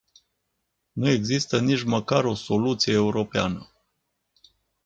Nu există nici măcar o soluție europeană.